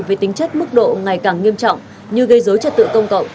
với tính chất mức độ ngày càng nghiêm trọng như gây dối trật tự công cộng